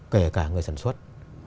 kể cả người sản xuất